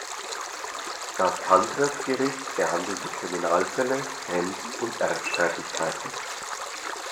Das Cantref-Gericht behandelte Kriminalfälle, Grenz- und Erbstreitigkeiten.